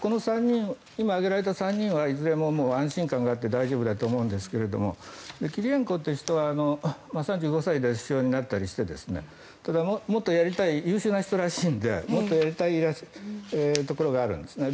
挙げられた３人はいずれも安心感があって大丈夫だと思うんですがキリエンコという人は３５歳で首相になったりして優秀な人らしいのでもっとやりたいところがあるんですね。